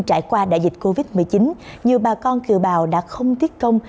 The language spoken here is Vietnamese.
trải qua đại dịch covid một mươi chín nhiều bà con kiều bào đã không tiếc công